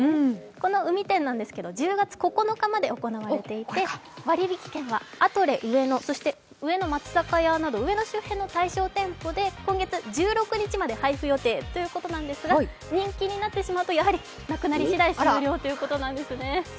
この「海展」なんですけど１０月９日まで行われていて割引券はアトレ上野、そして上野松坂屋など上野周辺の対象店舗で今月１６日まで配布予定ということなんですが人気になってしまうと、なくなり次第終了ということなんですね。